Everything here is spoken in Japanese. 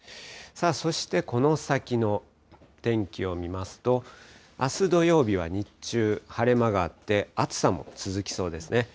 そして、この先の天気を見ますと、あす土曜は日中晴れ間もあって、暑さも続きそうですね。